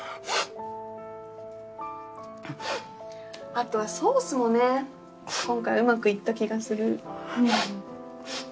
あとはソースもね今回うまくいった気がする。